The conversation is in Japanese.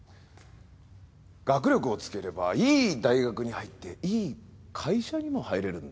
学力をつければいい大学に入っていい会社にも入れるんだぞ。